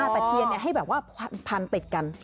ตะเคียนให้แบบว่าพันติดกัน